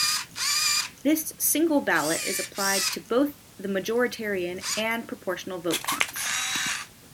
This single ballot is applied to both the majoritarian and proportional vote counts.